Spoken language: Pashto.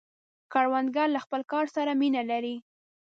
کروندګر له خپل کار سره مینه لري